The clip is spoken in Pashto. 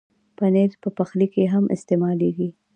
پنېر په پخلي کې هم استعمالېږي.